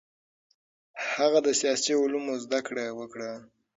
هغه د سیاسي علومو زده کړه وکړه.